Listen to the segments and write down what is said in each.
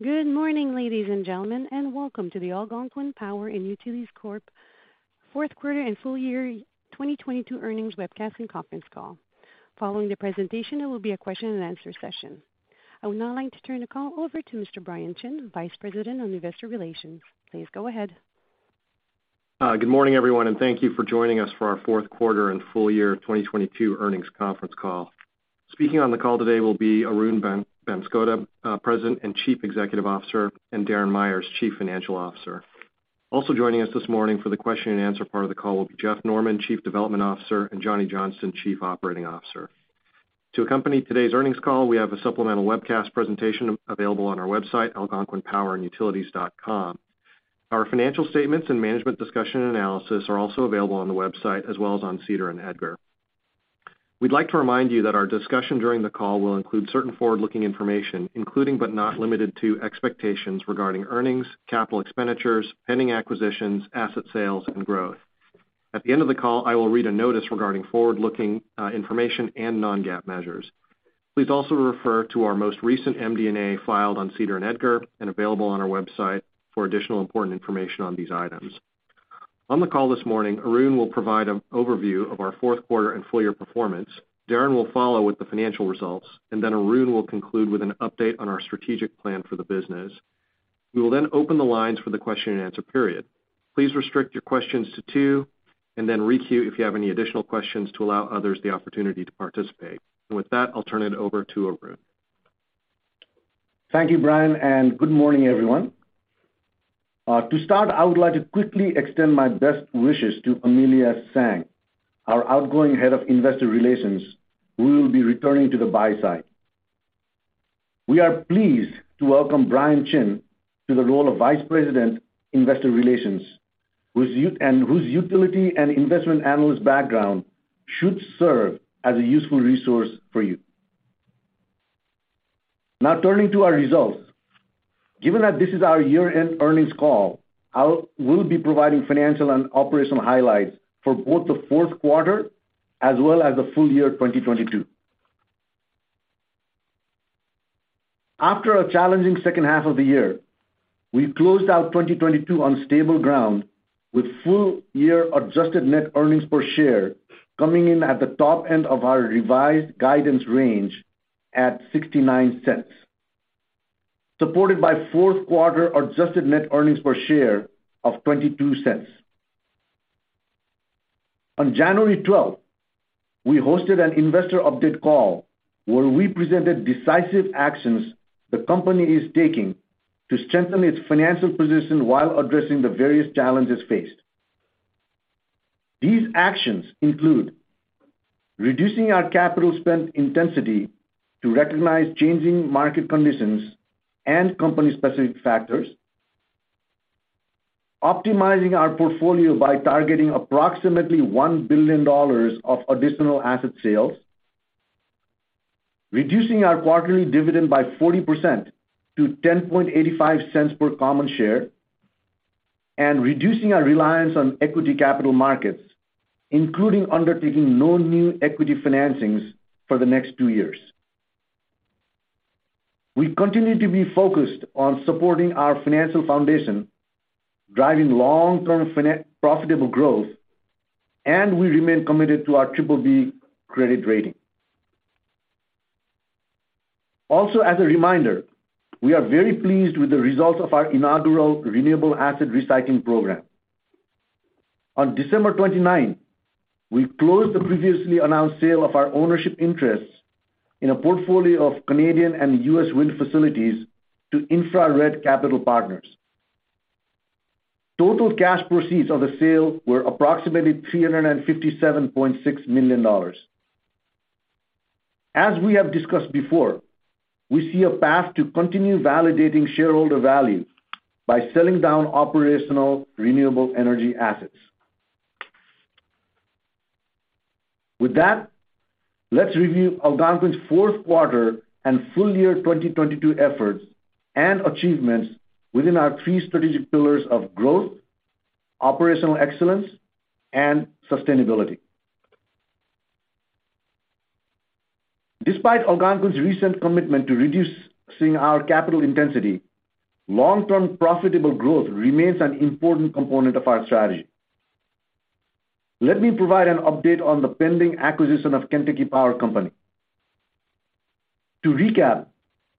Good morning, ladies and gentlemen. Welcome to the Algonquin Power & Utilities Corp. Q4 and full year 2022 earnings webcast and conference call. Following the presentation, there will be a question and answer session. I would now like to turn the call over to Mr. Brian Chin, Vice President, Investor Relations. Please go ahead. Good morning, everyone, and thank you for joining us for our Q4 and full year 2022 earnings conference call. Speaking on the call today will be Arun Banskota, President and Chief Executive Officer, and Darren Myers, Chief Financial Officer. Also joining us this morning for the question and answer part of the call will be Jeff Norman, Chief Development Officer, and Johnny Johnston, Chief Operating Officer. To accompany today's earnings call, we have a supplemental webcast presentation available on our website, algonquinpowerandutilities.com. Our financial statements and Management's Discussion and Analysis are also available on the website as well as on SEDAR and EDGAR. We'd like to remind you that our discussion during the call will include certain forward-looking information, including, but not limited to expectations regarding earnings, capital expenditures, pending acquisitions, asset sales, and growth. At the end of the call, I will read a notice regarding forward-looking information and non-GAAP measures. Please also refer to our most recent MD&A filed on SEDAR and EDGAR and available on our website for additional important information on these items. On the call this morning, Arun will provide an overview of our Q4 and full year performance. Darren will follow with the financial results, and then Arun will conclude with an update on our strategic plan for the business. We will then open the lines for the question and answer period. Please restrict your questions to two and then requeue if you have any additional questions to allow others the opportunity to participate. With that, I'll turn it over to Arun. Thank you, Brian, good morning, everyone. To start, I would like to quickly extend my best wishes to Amelia Tsang, our outgoing head of Investor Relations, who will be returning to the buy side. We are pleased to welcome Brian Chin to the role of Vice President, Investor Relations, and whose utility and investment analyst background should serve as a useful resource for you. Turning to our results. Given that this is our year-end earnings call, we'll be providing financial and operational highlights for both the Q4 as well as the full year 2022. After a challenging second half of the year, we closed out 2022 on stable ground with full year adjusted net earnings per share coming in at the top end of our revised guidance range at $0.69, supported by Q4 adjusted net earnings per share of $0.22. On January 12th, we hosted an investor update call where we presented decisive actions the company is taking to strengthen its financial position while addressing the various challenges faced. These actions include reducing our capital spend intensity to recognize changing market conditions and company-specific factors, optimizing our portfolio by targeting approximately $1 billion of additional asset sales, reducing our quarterly dividend by 40% to $0.1085 per common share, and reducing our reliance on equity capital markets, including undertaking no new equity financings for the next 2 years. We continue to be focused on supporting our financial foundation, driving long-term profitable growth, and we remain committed to our triple B credit rating. As a reminder, we are very pleased with the results of our inaugural renewable asset recycling program. On December 29th, we closed the previously announced sale of our ownership interests in a portfolio of Canadian and US wind facilities to InfraRed Capital Partners. Total cash proceeds of the sale were approximately $357.6 million. As we have discussed before, we see a path to continue validating shareholder value by selling down operational renewable energy assets. With that, let's review Algonquin's Q4 and full year 2022 efforts and achievements within our three strategic pillars of growth, operational excellence, and sustainability. Despite Algonquin's recent commitment to reducing our capital intensity, long-term profitable growth remains an important component of our strategy. Let me provide an update on the pending acquisition of Kentucky Power Company. To recap,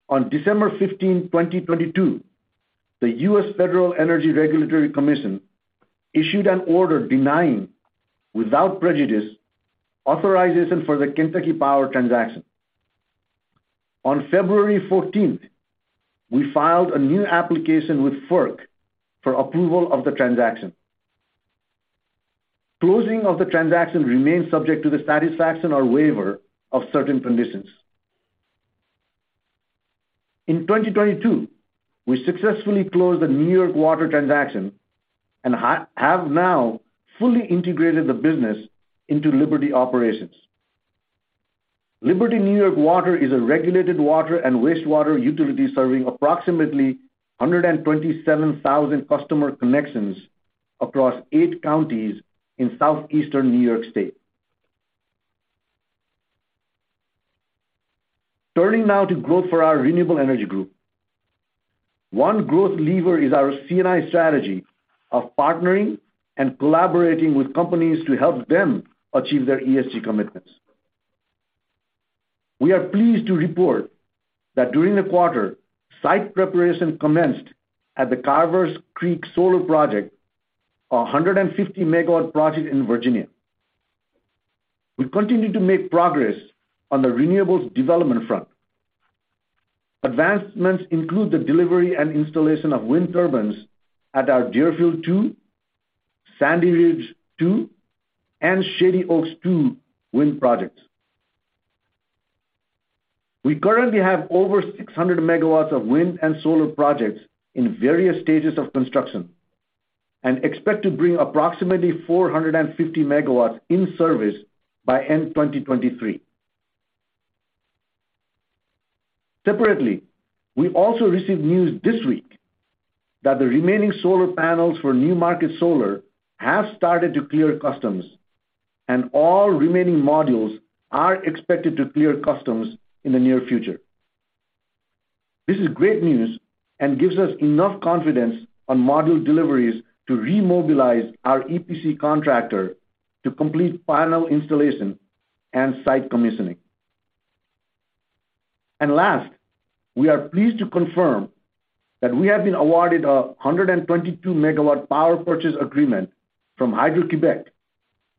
on December 15, 2022, the U.S. Federal Energy Regulatory Commission issued an order denying, without prejudice, authorization for the Kentucky Power transaction. On February 14, we filed a new application with FERC for approval of the transaction. Closing of the transaction remains subject to the satisfaction or waiver of certain conditions. In 2022, we successfully closed the New York Water transaction and have now fully integrated the business into Liberty Operations. Liberty New York Water is a regulated water and wastewater utility serving approximately 127,000 customer connections across eight counties in southeastern New York State. Turning now to growth for our Renewable Energy Group. One growth lever is our C&I strategy of partnering and collaborating with companies to help them achieve their ESG commitments. We are pleased to report that during the quarter, site preparation commenced at the Carvers Creek Solar Project, a 150 MW project in Virginia. We continue to make progress on the renewables development front. Advancements include the delivery and installation of wind turbines at our Deerfield Two, Sandy Ridge Two, and Shady Oaks Two wind projects. We currently have over 600 MW of wind and solar projects in various stages of construction, and expect to bring approximately 450 MW in service by end 2023. Separately, we also received news this week that the remaining solar panels for Newmarket Solar have started to clear customs, and all remaining modules are expected to clear customs in the near future. This is great news and gives us enough confidence on module deliveries to remobilize our EPC contractor to complete final installation and site commissioning. Last, we are pleased to confirm that we have been awarded a 122-megawatt power purchase agreement from Hydro-Quebec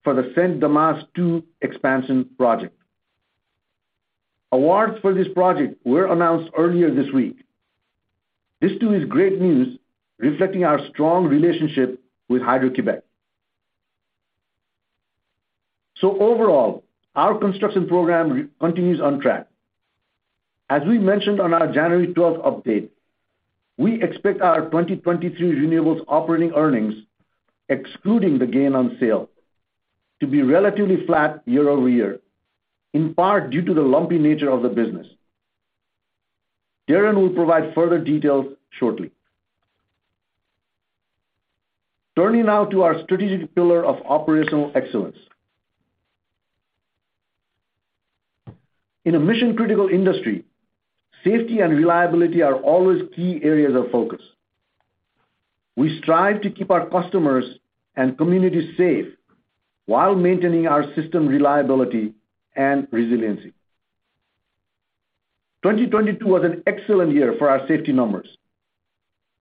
for the Saint-Damase II expansion project. Awards for this project were announced earlier this week. This too is great news, reflecting our strong relationship with Hydro-Quebec. Overall, our construction program continues on track. As we mentioned on our January 12th update, we expect our 2023 renewables operating earnings, excluding the gain on sale, to be relatively flat year-over-year, in part due to the lumpy nature of the business. Darren will provide further details shortly. Turning now to our strategic pillar of operational excellence. In a mission-critical industry, safety and reliability are always key areas of focus. We strive to keep our customers and communities safe while maintaining our system reliability and resiliency. 2022 was an excellent year for our safety numbers.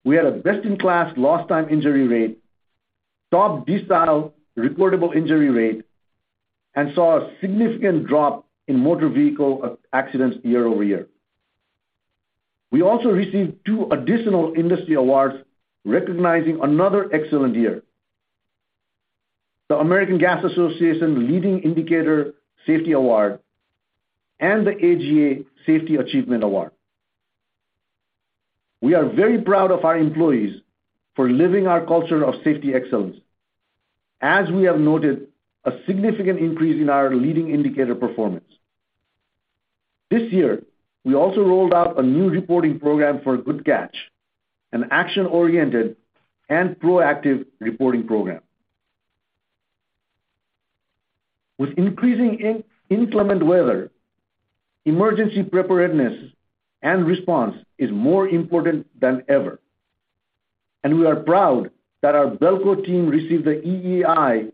We had a best-in-class lost time injury rate, top DART reportable injury rate, and saw a significant drop in motor vehicle accidents year-over-year. We also received two additional industry awards recognizing another excellent year. The American Gas Association Leading Indicator Safety Award and the AGA Safety Achievement Award. We are very proud of our employees for living our culture of safety excellence as we have noted a significant increase in our leading indicator performance. This year, we also rolled out a new reporting program for Good Catch, an action-oriented and proactive reporting program. With increasing inclement weather, emergency preparedness and response is more important than ever, and we are proud that our BELCO team received the EEI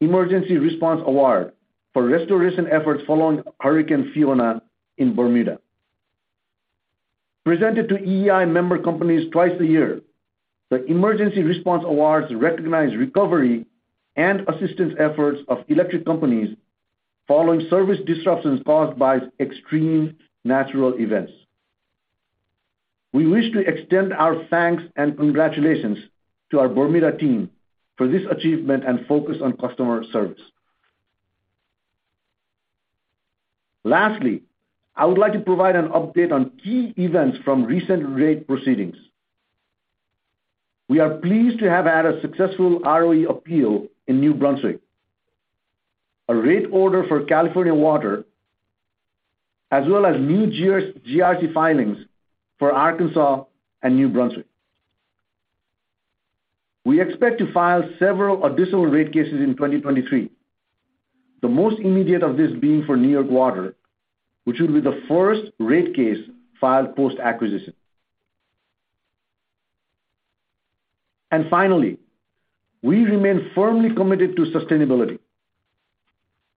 Emergency Response Award for restoration efforts following Hurricane Fiona in Bermuda. Presented to EEI member companies twice a year, the Emergency Response Awards recognize recovery and assistance efforts of electric companies following service disruptions caused by extreme natural events. We wish to extend our thanks and congratulations to our Bermuda team for this achievement and focus on customer service. Lastly, I would like to provide an update on key events from recent rate proceedings. We are pleased to have had a successful ROE appeal in New Brunswick, a rate order for California Water, as well as new GRC filings for Arkansas and New Brunswick. We expect to file several additional rate cases in 2023. The most immediate of this being for Liberty New York Water, which will be the first rate case filed post-acquisition. Finally, we remain firmly committed to sustainability.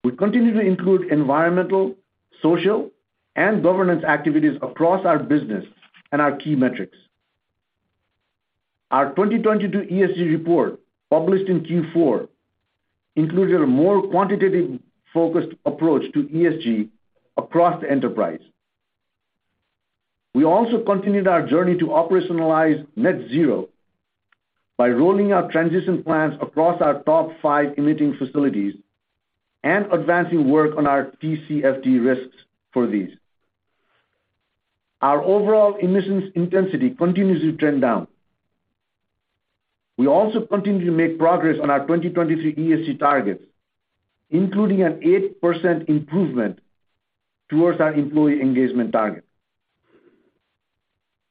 We continue to include environmental, social, and governance activities across our business and our key metrics. Our 2022 ESG report, published in Q4, included a more quantitative-focused approach to ESG across the enterprise. We also continued our journey to operationalize net zero by rolling out transition plans across our top 5 emitting facilities and advancing work on our TCFD risks for these. Our overall emissions intensity continues to trend down. We also continue to make progress on our 2023 ESG targets, including an 8% improvement towards our employee engagement target.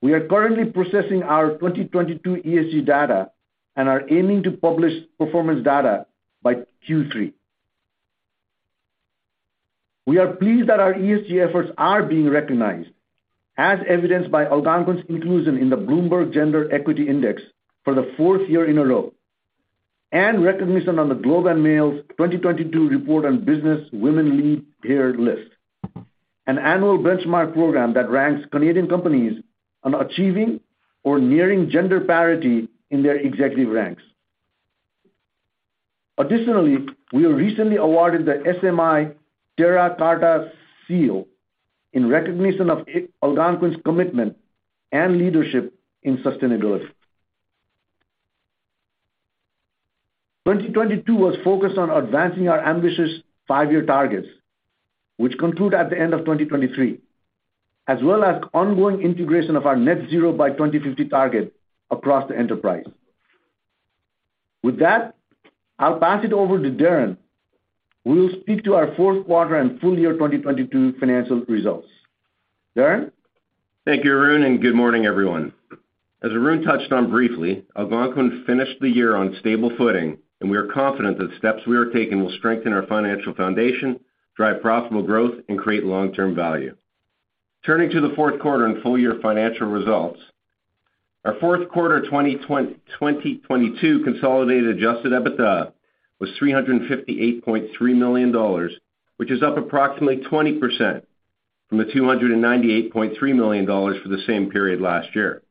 We are currently processing our 2022 ESG data and are aiming to publish performance data by Q3. We are pleased that our ESG efforts are being recognized as evidenced by Algonquin's inclusion in the Bloomberg Gender-Equality Index for the fourth year in a row, and recognition on The Globe and Mail's 2022 Report on Business Women Lead Here list, an annual benchmark program that ranks Canadian companies on achieving or nearing gender parity in their executive ranks. Additionally, we were recently awarded the SMI Terra Carta seal in recognition of Algonquin's commitment and leadership in sustainability. 2022 was focused on advancing our ambitious 5-year targets, which conclude at the end of 2023, as well as ongoing integration of our net zero by 2050 target across the enterprise. With that, I'll pass it over to Darren, who will speak to our Q4 and full year 2022 financial results. Darren? Thank you, Arun. Good morning, everyone. As Arun touched on briefly, Algonquin finished the year on stable footing, and we are confident that steps we are taking will strengthen our financial foundation, drive profitable growth, and create long-term value. Turning to the Q4 and full year financial results, our Q4 2022 consolidated adjusted EBITDA was $358.3 million, which is up approximately 20% from the $298.3 million for the same period last year.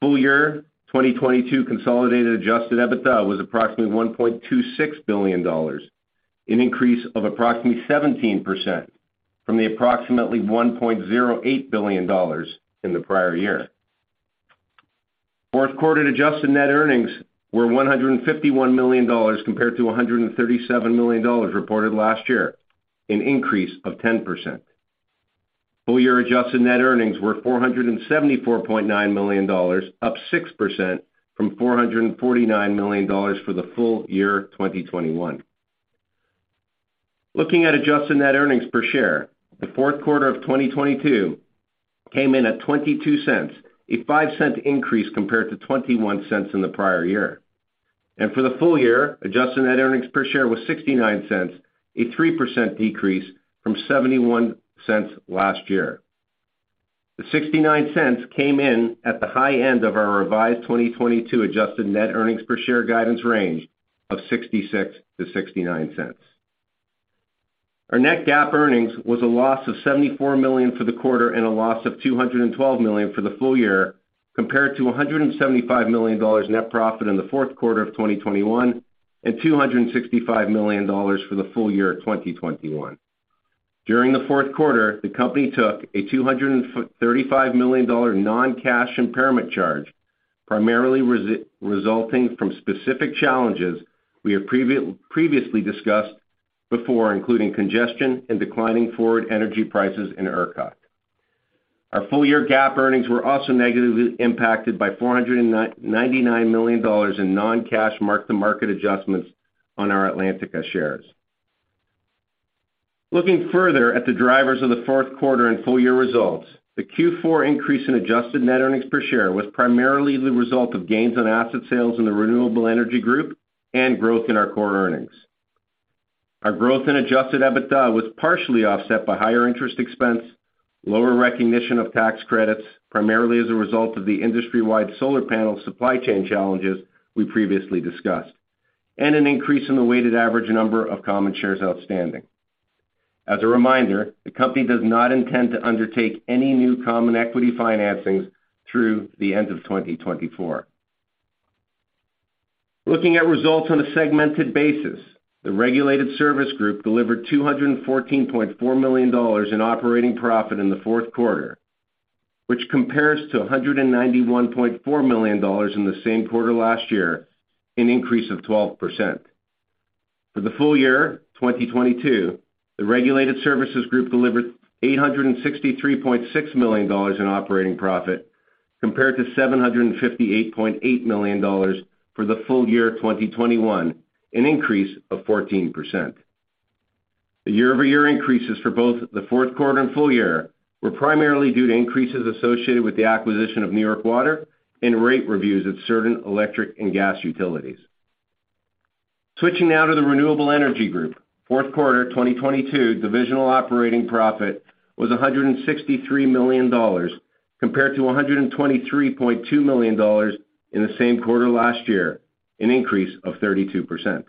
Full year 2022 consolidated adjusted EBITDA was approximately $1.26 billion, an increase of approximately 17% from the approximately $1.08 billion in the prior year. Q4 adjusted net earnings were $151 million compared to $137 million reported last year, an increase of 10%. Full year adjusted net earnings were $474.9 million, up 6% from $449 million for the full year 2021. Looking at adjusted net earnings per share, the Q4 of 2022 came in at $0.22, a $0.05 increase compared to $0.21 in the prior year. For the full year, adjusted net earnings per share was $0.69, a 3% decrease from $0.71 last year. The $0.69 came in at the high end of our revised 2022 adjusted net earnings per share guidance range of $0.66-$0.69. Our net GAAP earnings was a loss of $74 million for the quarter and a loss of $212 million for the full year, compared to $175 million net profit in the Q4 of 2021 and $265 million for the full year 2021. During the Q4, the company took a $235 million non-cash impairment charge, primarily resulting from specific challenges we have previously discussed before, including congestion and declining forward energy prices in ERCOT. Our full year GAAP earnings were also negatively impacted by $499 million in non-cash mark-to-market adjustments on our Atlantica shares. Looking further at the drivers of the Q4 and full year results, the Q4 increase in adjusted net earnings per share was primarily the result of gains on asset sales in the Renewable Energy Group and growth in our core earnings. Our growth in adjusted EBITDA was partially offset by higher interest expense, lower recognition of tax credits, primarily as a result of the industry-wide solar panel supply chain challenges we previously discussed, and an increase in the weighted average number of common shares outstanding. As a reminder, the company does not intend to undertake any new common equity financings through the end of 2024. Looking at results on a segmented basis, the Regulated Services Group delivered $214.4 million in operating profit in the Q4, which compares to $191.4 million in the same quarter last year, an increase of 12%. For the full year 2022, the Regulated Services Group delivered $863.6 million in operating profit, compared to $758.8 million for the full year 2021, an increase of 14%. The year-over-year increases for both the Q4 and full year were primarily due to increases associated with the acquisition of New York Water and rate reviews of certain electric and gas utilities. Switching now to the Renewable Energy Group. Q4 2022 divisional operating profit was $163 million, compared to $123.2 million in the same quarter last year, an increase of 32%.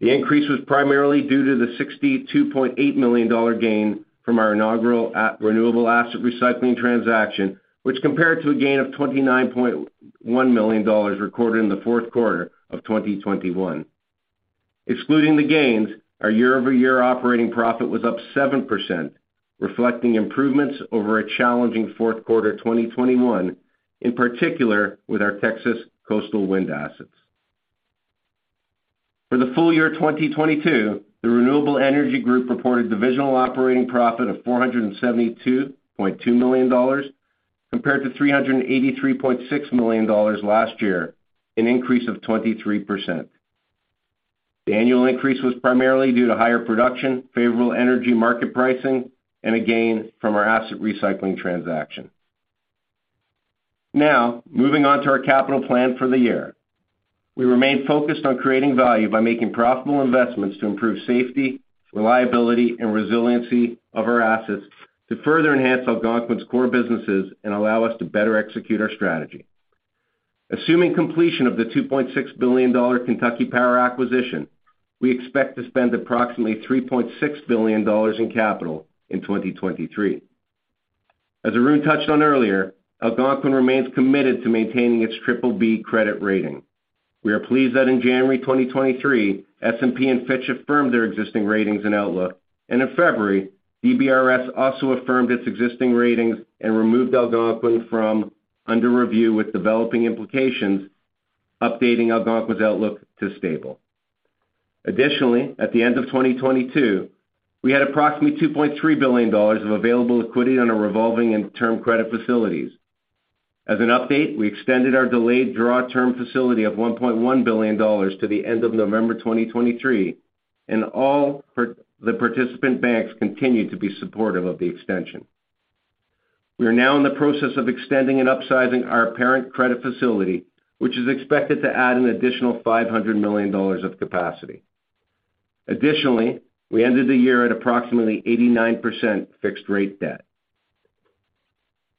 The increase was primarily due to the $62.8 million gain from our inaugural renewable asset recycling transaction, which compared to a gain of $29.1 million recorded in the Q4 of 2021. Excluding the gains, our year-over-year operating profit was up 7%, reflecting improvements over a challenging Q4 2021, in particular with our Texas coastal wind assets. For the full year 2022, the Renewable Energy Group reported divisional operating profit of $472.2 million, compared to $383.6 million last year, an increase of 23%. The annual increase was primarily due to higher production, favorable energy market pricing, and a gain from our asset recycling transaction. Moving on to our capital plan for the year. We remain focused on creating value by making profitable investments to improve safety, reliability, and resiliency of our assets to further enhance Algonquin's core businesses and allow us to better execute our strategy. Assuming completion of the $2.6 billion Kentucky Power acquisition, we expect to spend approximately $3.6 billion in capital in 2023. As Arun touched on earlier, Algonquin remains committed to maintaining its triple B credit rating. We are pleased that in January 2023, S&P and Fitch affirmed their existing ratings and outlook. In February, DBRS also affirmed its existing ratings and removed Algonquin from under review with developing implications, updating Algonquin's outlook to stable. Additionally, at the end of 2022, we had approximately $2.3 billion of available liquidity on our revolving and term credit facilities. As an update, we extended our delayed draw term facility of $1.1 billion to the end of November 2023, and the participant banks continued to be supportive of the extension. We are now in the process of extending and upsizing our parent credit facility, which is expected to add an additional $500 million of capacity. Additionally, we ended the year at approximately 89% fixed rate debt.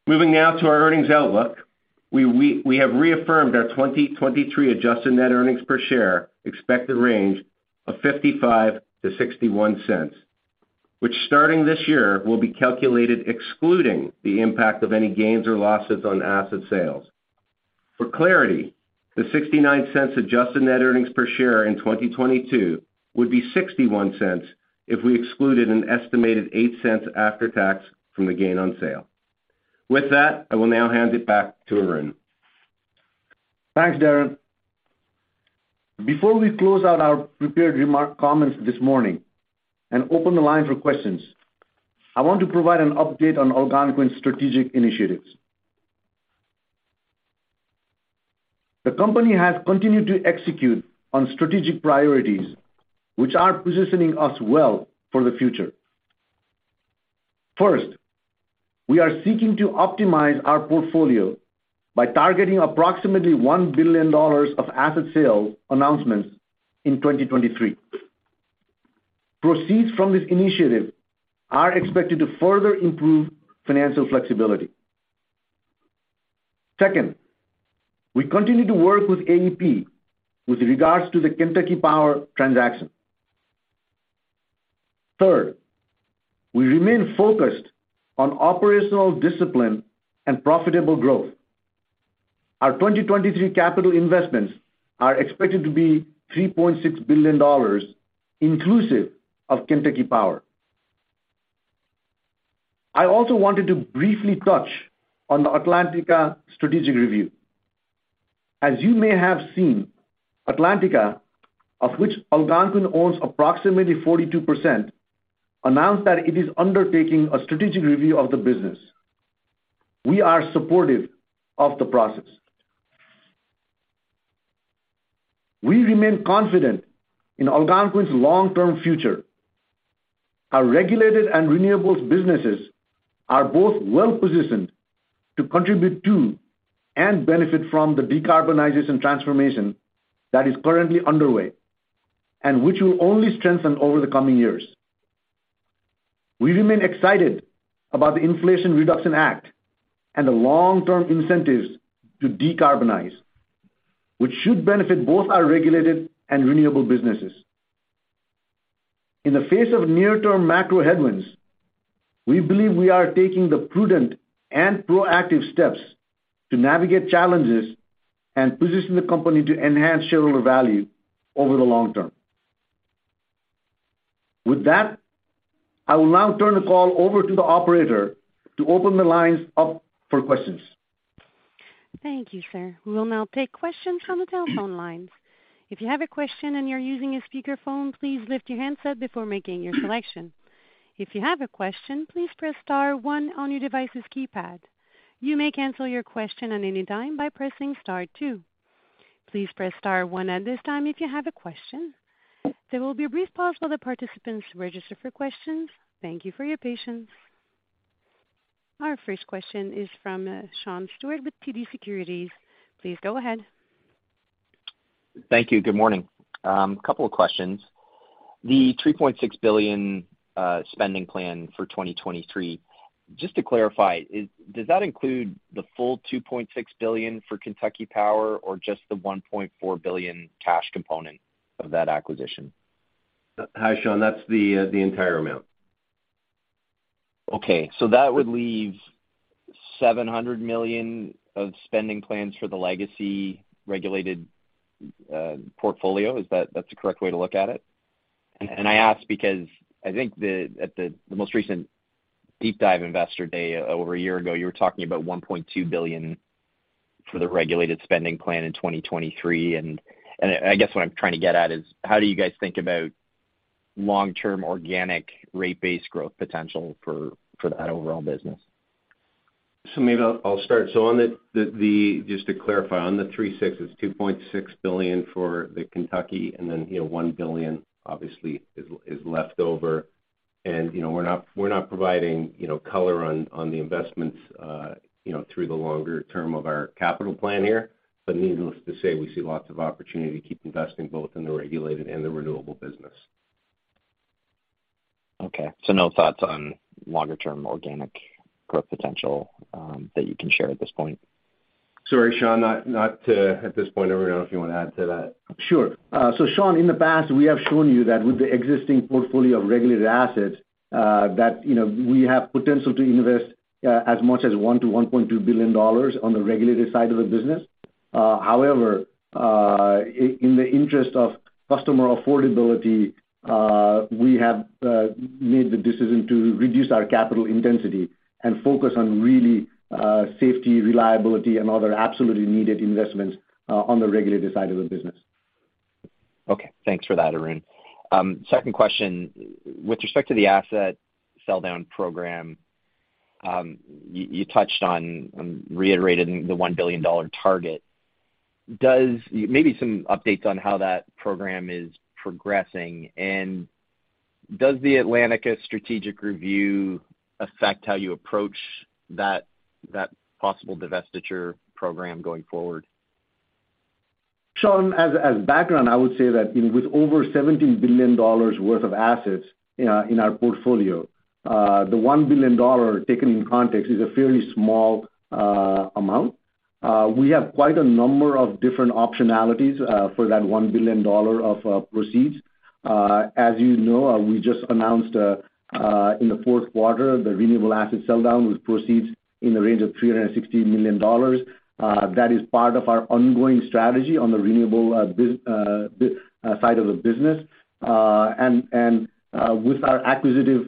Moving now to our earnings outlook. We have reaffirmed our 2023 adjusted net earnings per share expected range of $0.55-$0.61, which starting this year, will be calculated excluding the impact of any gains or losses on asset sales. For clarity, the $0.69 adjusted net earnings per share in 2022 would be $0.61 if we excluded an estimated $0.08 after tax from the gain on sale. With that, I will now hand it back to Arun. Thanks, Darren. Before we close out our prepared comments this morning and open the line for questions, I want to provide an update on Algonquin's strategic initiatives. The company has continued to execute on strategic priorities, which are positioning us well for the future. First, we are seeking to optimize our portfolio by targeting approximately $1 billion of asset sales announcements in 2023. Proceeds from this initiative are expected to further improve financial flexibility. Second, we continue to work with AEP with regards to the Kentucky Power transaction. Third, we remain focused on operational discipline and profitable growth. Our 2023 capital investments are expected to be $3.6 billion, inclusive of Kentucky Power. I also wanted to briefly touch on the Atlantica strategic review. As you may have seen, Atlantica, of which Algonquin owns approximately 42%, announced that it is undertaking a strategic review of the business. We are supportive of the process. We remain confident in Algonquin's long-term future. Our regulated and renewables businesses are both well-positioned to contribute to and benefit from the decarbonization transformation that is currently underway and which will only strengthen over the coming years. We remain excited about the Inflation Reduction Act and the long-term incentives to decarbonize, which should benefit both our regulated and renewable businesses. In the face of near-term macro headwinds, we believe we are taking the prudent and proactive steps to navigate challenges and position the company to enhance shareholder value over the long term. With that, I will now turn the call over to the operator to open the lines up for questions. Thank you, sir. We will now take questions from the telephone lines. If you have a question and you're using a speakerphone, please lift your handset before making your selection. If you have a question, please press star one on your device's keypad. You may cancel your question at any time by pressing star two. Please press star one at this time if you have a question. There will be a brief pause while the participants register for questions. Thank you for your patience. Our first question is from Sean Steuart with TD Securities. Please go ahead. Thank you. Good morning. A couple of questions. The $3.6 billion spending plan for 2023, just to clarify, does that include the full $2.6 billion for Kentucky Power or just the $1.4 billion cash component of that acquisition? Hi, Sean. That's the entire amount. That would leave $700 million of spending plans for the legacy-regulated portfolio. Is that's the correct way to look at it? I ask because I think the most recent deep dive investor day over a year ago, you were talking about $1.2 billion for the regulated spending plan in 2023. I guess what I'm trying to get at is how do you guys think about long-term organic rate-based growth potential for that overall business? Maybe I'll start. On the just to clarify, on the three six is $2.6 billion for the Kentucky, and then, you know, $1 billion obviously is left over. You know, we're not providing, you know, color on the investments, you know, through the longer term of our capital plan here. Needless to say, we see lots of opportunity to keep investing both in the regulated and the renewable business. Okay. No thoughts on longer term organic growth potential that you can share at this point? Sorry, Sean. Not at this point. Arun, if you wanna add to that. Sure. Sean, in the past, we have shown you that with the existing portfolio of regulated assets, that, you know, we have potential to invest as much as $1 billion-$1.2 billion on the regulated side of the business. However, in the interest of customer affordability, we have made the decision to reduce our capital intensity and focus on really, safety, reliability and other absolutely needed investments on the regulated side of the business. Okay, thanks for that, Arun. Second question. With respect to the asset sell down program, you touched on and reiterated the $1 billion target. Maybe some updates on how that program is progressing. Does the Atlantica strategic review affect how you approach that possible divestiture program going forward? Sean, as background, I would say that, you know, with over $17 billion worth of assets, in our portfolio, the $1 billion taken in context is a fairly small amount. We have quite a number of different optionalities for that $1 billion of proceeds. As you know, we just announced in the Q4, the renewable asset sell down with proceeds in the range of $360 million. With our acquisitive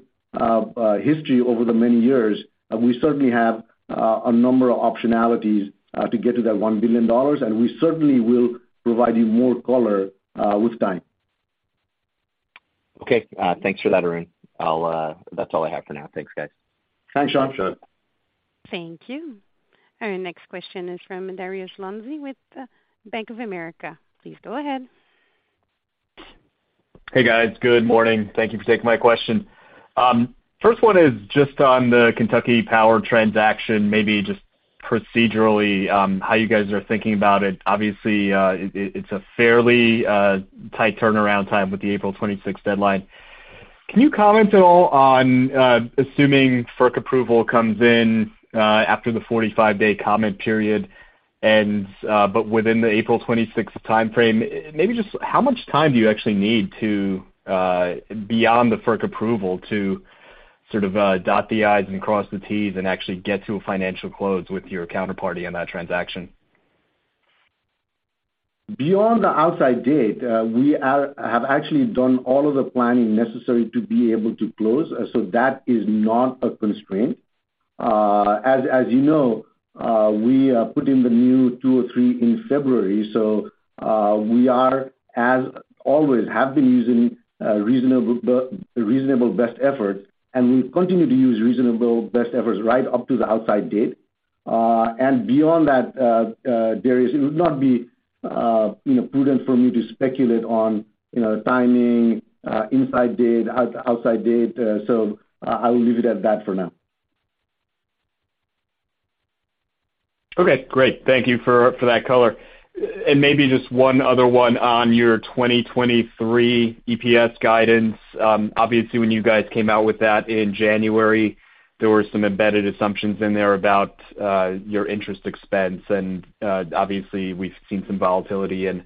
history over the many years, we certainly have a number of optionalities to get to that $1 billion, and we certainly will provide you more color with time. Okay. Thanks for that, Arun. I'll, that's all I have for now. Thanks, guys. Thanks, Sean. Thanks, Sean. Thank you. Our next question is from Dariusz Lozny with, Bank of America. Please go ahead. Hey, guys. Good morning. Thank you for taking my question. First one is just on the Kentucky Power transaction, maybe just procedurally, how you guys are thinking about it. Obviously, it's a fairly tight turnaround time with the April 26th deadline. Can you comment at all on, assuming FERC approval comes in, after the 45-day comment period ends, but within the April 26th timeframe, maybe just how much time do you actually need to, beyond the FERC approval to sort of, dot the I's and cross the T's and actually get to a financial close with your counterparty on that transaction? Beyond the outside date, we have actually done all of the planning necessary to be able to close. That is not a constraint. As you know, we, put in the new two or three in February, we are, as always, have been using, reasonable best efforts, and we'll continue to use reasonable best efforts right up to the outside date. Beyond that, Darius, it would not be, you know, prudent for me to speculate on, you know, timing, inside date, outside date. I will leave it at that for now. Okay, great. Thank you for that color. Maybe just one other one on your 2023 EPS guidance. Obviously, when you guys came out with that in January, there were some embedded assumptions in there about your interest expense. Obviously, we've seen some volatility in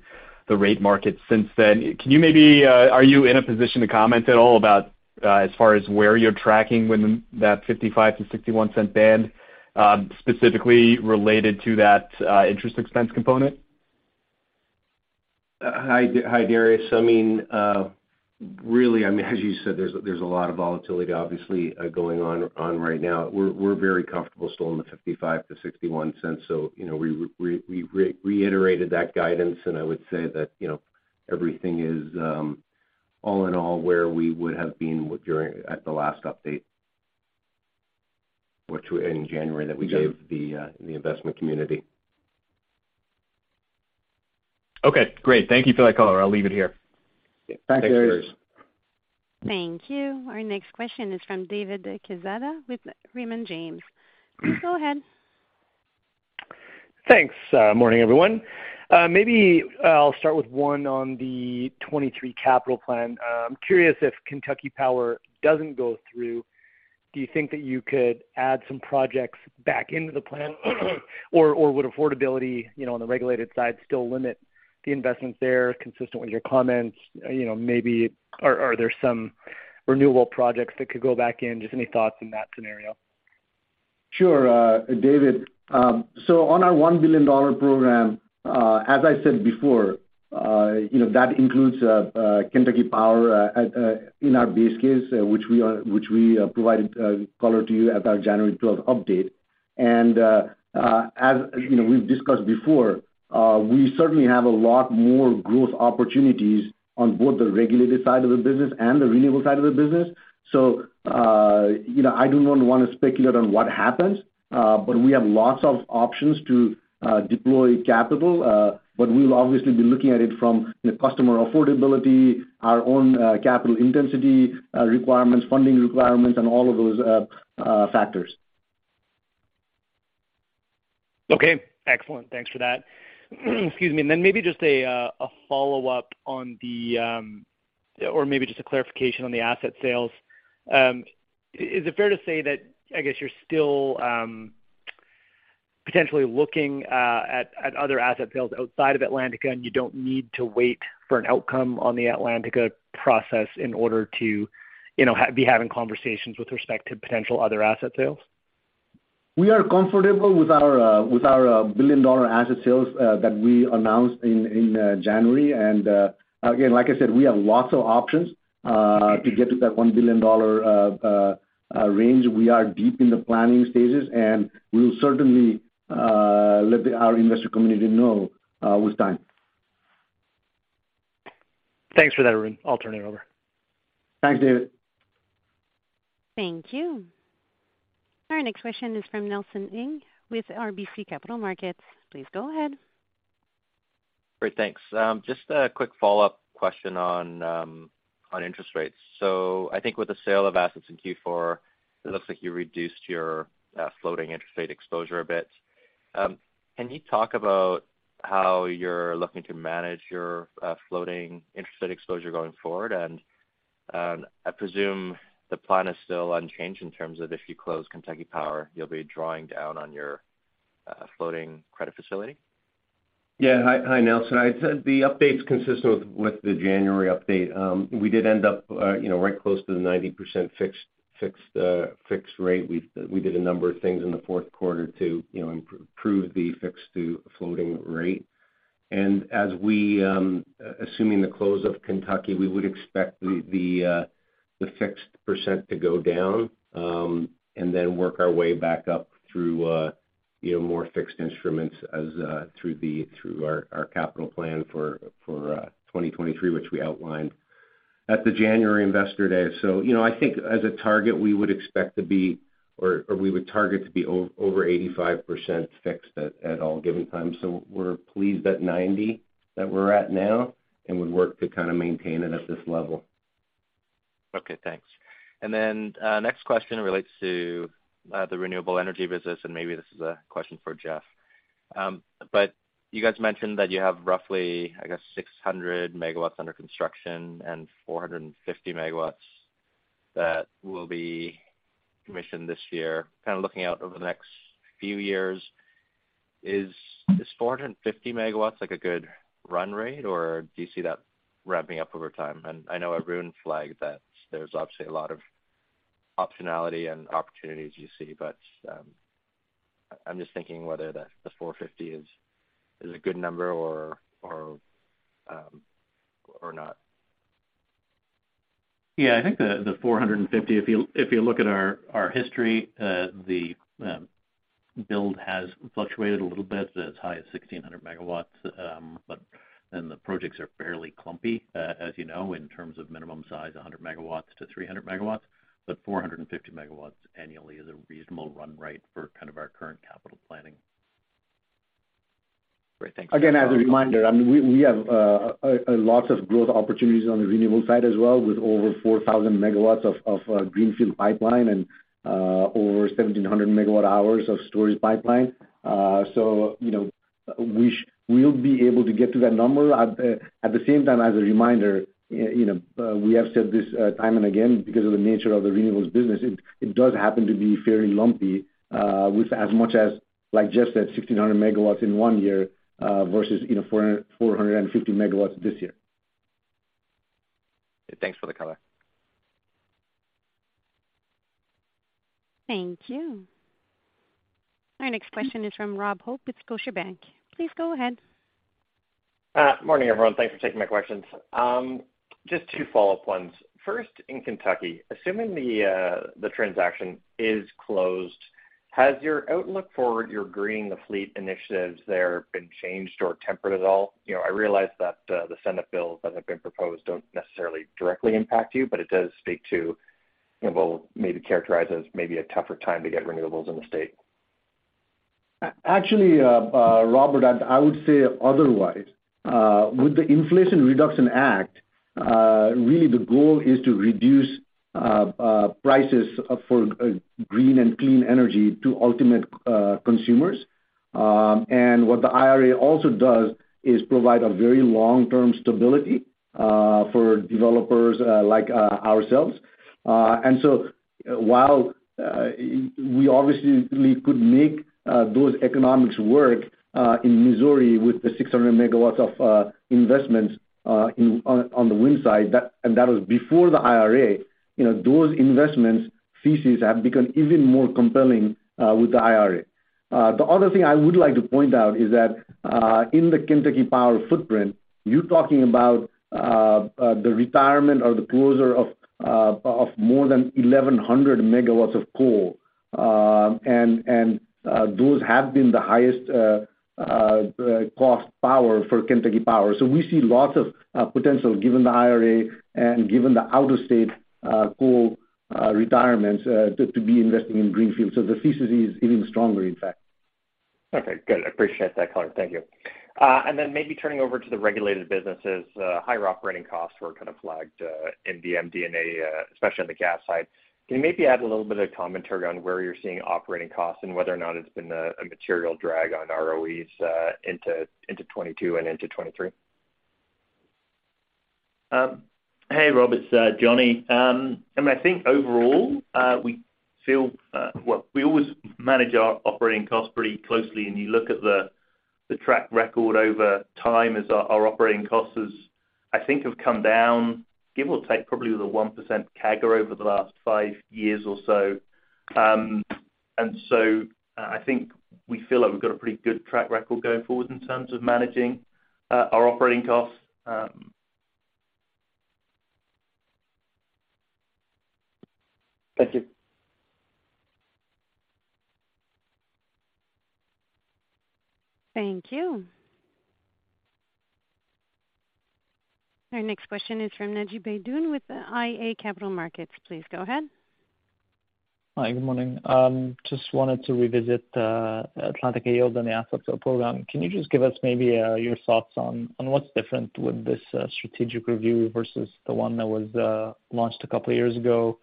the rate market since then. Can you maybe are you in a position to comment at all about as far as where you're tracking within that $0.55-$0.61 band, specifically related to that interest expense component? Hi, Dariusz. I mean, really, I mean, as you said, there's a lot of volatility obviously, going on right now. We're very comfortable still in the $0.55-$0.61. You know, we reiterated that guidance, and I would say that, you know, everything is, all in all where we would have been at the last update, which in January that we gave the investment community. Okay, great. Thank you for that color. I'll leave it here. Thanks, Dariusz. Thanks, Dariusz. Thank you. Our next question is from David Quezada with Raymond James. Please go ahead. Thanks. Morning, everyone. Maybe I'll start with one on the 23 capital plan. I'm curious if Kentucky Power doesn't go through, do you think that you could add some projects back into the plan? Would affordability, you know, on the regulated side still limit the investments there consistent with your comments? You know, maybe are there some renewable projects that could go back in? Just any thoughts in that scenario? Sure, David. On our $1 billion program, as I said before, you know, that includes Kentucky Power in our base case, which we provided color to you at our January 12 update. As you know, we've discussed before, we certainly have a lot more growth opportunities on both the regulated side of the business and the renewable side of the business. You know, I don't wanna speculate on what happens, but we have lots of options to deploy capital. But we'll obviously be looking at it from the customer affordability, our own capital intensity, requirements, funding requirements, and all of those factors. Okay. Excellent. Thanks for that. Excuse me. Then maybe just a follow-up on the or maybe just a clarification on the asset sales. Is it fair to say that, I guess you're still potentially looking at other asset sales outside of Atlantica and you don't need to wait for an outcome on the Atlantica process in order to, you know, be having conversations with respect to potential other asset sales? We are comfortable with our billion-dollar asset sales that we announced in January. Again, like I said, we have lots of options to get to that $1 billion range. We are deep in the planning stages, and we'll certainly let our investor community know with time. Thanks for that, Arun. I'll turn it over. Thanks, David. Thank you. Our next question is from Nelson Ng with RBC Capital Markets. Please go ahead. Great. Thanks. Just a quick follow-up question on interest rates. I think with the sale of assets in Q4, it looks like you reduced your floating interest rate exposure a bit. Can you talk about how you're looking to manage your floating interest rate exposure going forward? I presume the plan is still unchanged in terms of if you close Kentucky Power, you'll be drawing down on your floating credit facility. Hi, Nelson. I'd say the update's consistent with the January update. We did end up, you know, right close to the 90% fixed rate. We did a number of things in the Q4 to, you know, improve the fixed to floating rate. As we, assuming the close of Kentucky, we would expect the fixed percent to go down, and then work our way back up through, you know, more fixed instruments as through our capital plan for 2023, which we outlined at the January investor day. You know, I think as a target, we would expect to be or we would target to be over 85% fixed at all given times. We're pleased at 90 that we're at now and would work to kind of maintain it at this level. Okay, thanks. Next question relates to the renewable energy business, and maybe this is a question for Jeff. But you guys mentioned that you have roughly, I guess, 600 megawatts under construction and 450 megawatts that will be commissioned this year. Kind of looking out over the next few years, is 450 megawatts like a good run rate, or do you see that ramping up over time? I know Arun flagged that there's obviously a lot of optionality and opportunities you see, but I'm just thinking whether the 450 is a good number or not. Yeah. I think the 450, if you look at our history, the build has fluctuated a little bit as high as 1,600 megawatts, the projects are fairly clumpy, as you know, in terms of minimum size, 100 megawatts to 300 megawatts. 450 megawatts annually is a reasonable run rate for kind of our current capital planning. Great. Thank you. Again, as a reminder, I mean, we have lots of growth opportunities on the renewable side as well, with over 4,000 megawatts of greenfield pipeline and over 1,700 megawatt hours of storage pipeline. You know, we'll be able to get to that number. At the same time as a reminder, you know, we have said this time and again, because of the nature of the renewables business, it does happen to be fairly lumpy, with as much as, like Jeff said, 1,600 megawatts in one year, versus, you know, 450 megawatts this year. Thanks for the color. Thank you. Our next question is from Rob Hope with Scotiabank. Please go ahead. Morning, everyone. Thanks for taking my questions. Just two follow-up ones. First, in Kentucky, assuming the transaction is closed, has your outlook for your green fleet initiatives there been changed or tempered at all? You know, I realize that the senate bills that have been proposed don't necessarily directly impact you, but it does speak to what maybe characterized as maybe a tougher time to get renewables in the state. Actually, Robert, I would say otherwise. With the Inflation Reduction Act, really the goal is to reduce prices for green and clean energy to ultimate consumers. What the IRA also does is provide a very long-term stability for developers like ourselves. So while we obviously could make those economics work in Missouri with the 600 megawatts of investments on the wind side, that was before the IRA, you know, those investments thesis have become even more compelling with the IRA. The other thing I would like to point out is that in the Kentucky Power footprint, you're talking about the retirement or the closure of more than 1,100 megawatts of coal. Those have been the highest cost power for Kentucky Power. We see lots of potential given the IRA and given the out-of-state coal retirements to be investing in greenfield. The thesis is even stronger, in fact. Okay, good. I appreciate that, Colin. Thank you. Then maybe turning over to the regulated businesses, higher operating costs were kind of flagged in MD&A, especially on the gas side. Can you maybe add a little bit of commentary on where you're seeing operating costs and whether or not it's been a material drag on ROEs into 2022 and into 2023? Hey, Rob, it's Johnny. I mean, I think overall, we feel, well, we always manage our operating costs pretty closely. You look at the track record over time as our operating costs I think have come down, give or take probably the 1% CAGR over the last 5 years or so. I think we feel like we've got a pretty good track record going forward in terms of managing our operating costs. Thank you. Thank you. Our next question is from Naji Baydoun with iA Capital Markets. Please go ahead. Hi, good morning. Just wanted to revisit Atlantica Yield and the assets of program. Can you just give us maybe your thoughts on what's different with this strategic review versus the one that was launched a couple years ago?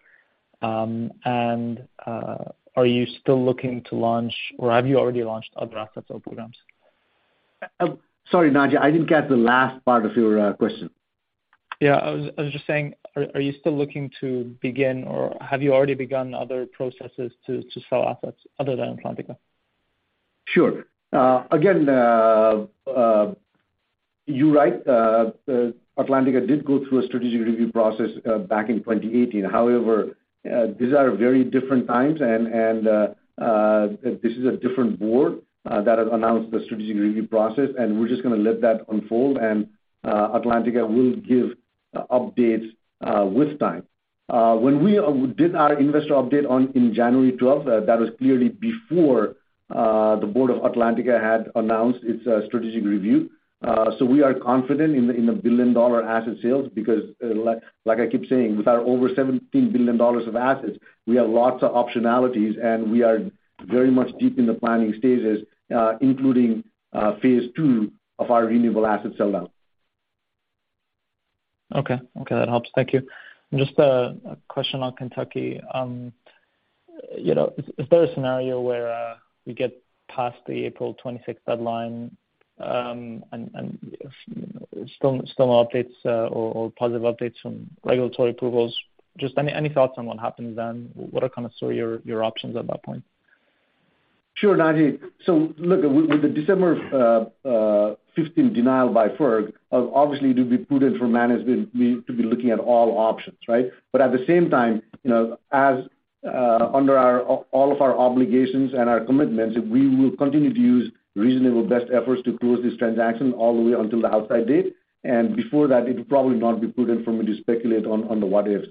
Are you still looking to launch, or have you already launched other assets or programs? Sorry, Naji, I didn't catch the last part of your question. Yeah, I was just saying are you still looking to begin, or have you already begun other processes to sell assets other than Atlantica? Sure. Again, you're right. Atlantica did go through a strategic review process back in 2018. However, these are very different times and this is a different board that has announced the strategic review process, and we're just gonna let that unfold. Atlantica will give updates with time. When we did our investor update on, in January 12th, that was clearly before the board of Atlantica had announced its strategic review. We are confident in the, in the billion-dollar asset sales because like I keep saying, with our over $17 billion of assets, we have lots of optionalities, and we are very much deep in the planning stages, including phase 2 of our renewable asset sell-down. Okay. Okay, that helps. Thank you. Just a question on Kentucky. You know, is there a scenario where we get past the April 26th deadline, and still no updates or positive updates from regulatory approvals? Just any thoughts on what happens then? What are kind of, sort of, your options at that point? Sure, Naji. Look, with the December 15th denial by FERC, obviously it would be prudent for management to be looking at all options, right? But at the same time, you know, as under all of our obligations and our commitments, we will continue to use reasonable best efforts to close this transaction all the way until the outside date. Before that, it would probably not be prudent for me to speculate on the what-ifs.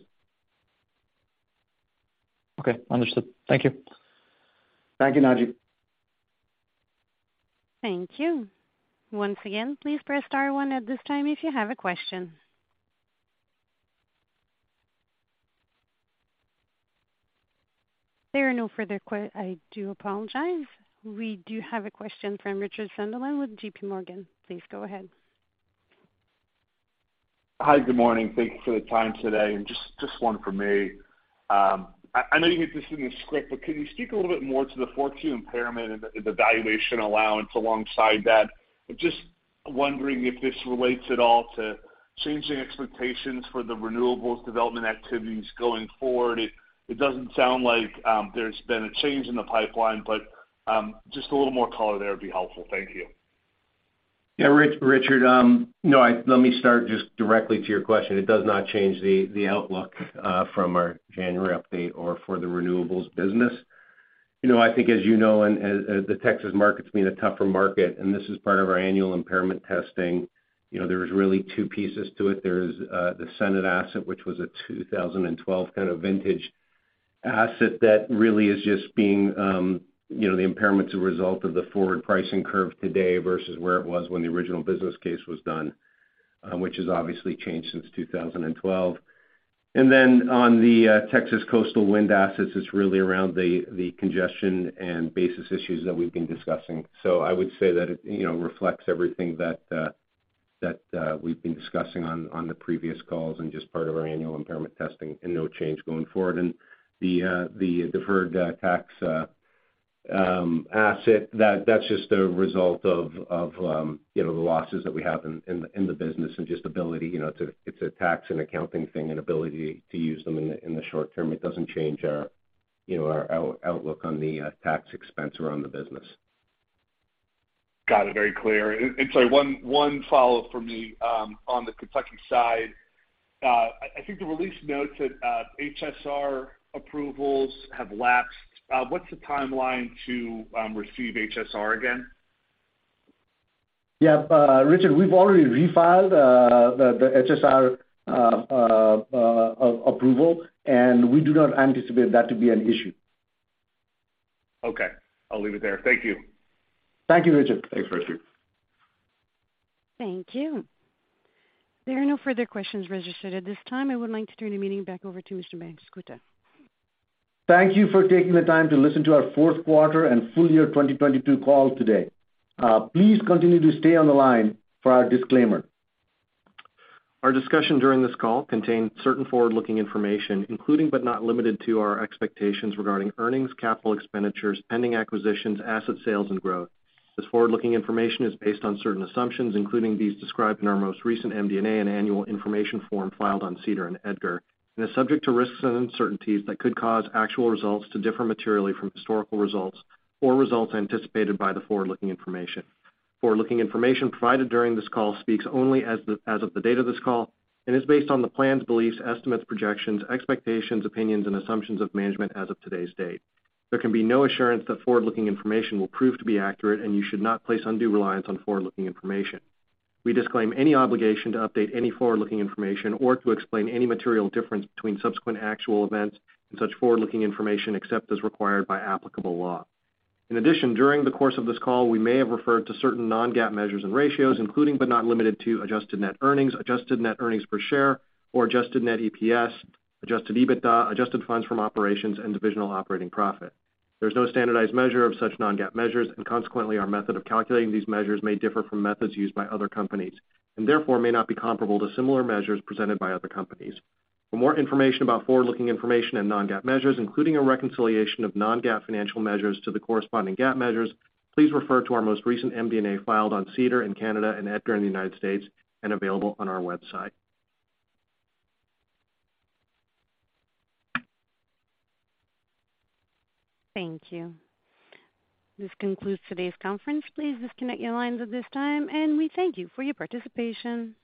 Okay. Understood. Thank you. Thank you, Naji. Thank you. Once again, please press star one at this time if you have a question. There are no further I do apologize. We do have a question from Richard Sunderland with J.P. Morgan. Please go ahead. Hi, good morning. Thank you for the time today. Just one from me. I know you hit this in the script, but can you speak a little bit more to the Fortune impairment and the valuation allowance alongside that? I'm just wondering if this relates at all to changing expectations for the renewables development activities going forward. It doesn't sound like there's been a change in the pipeline, but just a little more color there would be helpful. Thank you. Yeah, Richard, you know, Let me start just directly to your question. It does not change the outlook from our January update or for the renewables business. You know, I think as you know and as the Texas market's been a tougher market, and this is part of our annual impairment testing, you know, there was really two pieces to it. There's the Senate asset, which was a 2012 kind of vintage asset that really is just being, you know, the impairment's a result of the forward pricing curve today versus where it was when the original business case was done, which has obviously changed since 2012. On the Texas Coastal wind assets, it's really around the congestion and basis issues that we've been discussing. I would say that it, you know, reflects everything that we've been discussing on the previous calls and just part of our annual impairment testing and no change going forward. The deferred tax asset, that's just a result of, you know, the losses that we have in the, in the business and just ability, you know, it's a tax and accounting thing and ability to use them in the, in the short term. It doesn't change our, you know, our outlook on the tax expense around the business. Got it. Very clear. Sorry, one follow-up from me. On the Kentucky side, I think the release notes that HSR approvals have lapsed. What's the timeline to receive HSR again? Richard, we've already refiled the HSR approval, we do not anticipate that to be an issue. Okay. I'll leave it there. Thank you. Thank you, Richard. Thanks, Richard. Thank you. There are no further questions registered at this time. I would like to turn the meeting back over to Mr. Banskota. Thank you for taking the time to listen to our Q4 and full year 2022 call today. Please continue to stay on the line for our disclaimer. Our discussion during this call contains certain forward-looking information, including, but not limited to, our expectations regarding earnings, capital expenditures, pending acquisitions, asset sales, and growth. This forward-looking information is based on certain assumptions, including these described in our most recent MD&A and annual information form filed on SEDAR and EDGAR, and is subject to risks and uncertainties that could cause actual results to differ materially from historical results or results anticipated by the forward-looking information. Forward-looking information provided during this call speaks only as of the date of this call and is based on the plans, beliefs, estimates, projections, expectations, opinions, and assumptions of management as of today's date. There can be no assurance that forward-looking information will prove to be accurate, and you should not place undue reliance on forward-looking information. We disclaim any obligation to update any forward-looking information or to explain any material difference between subsequent actual events and such forward-looking information except as required by applicable law. In addition, during the course of this call, we may have referred to certain non-GAAP measures and ratios, including, but not limited to adjusted net earnings, adjusted net earnings per share or adjusted net EPS, adjusted EBITDA, adjusted funds from operations, and divisional operating profit. There's no standardized measure of such non-GAAP measures, and consequently, our method of calculating these measures may differ from methods used by other companies and therefore may not be comparable to similar measures presented by other companies. For more information about forward-looking information and non-GAAP measures, including a reconciliation of non-GAAP financial measures to the corresponding GAAP measures, please refer to our most recent MD&A filed on SEDAR in Canada and EDGAR in the United States and available on our website. Thank you. This concludes today's conference. Please disconnect your lines at this time, and we thank you for your participation.